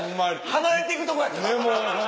離れていくとこやった。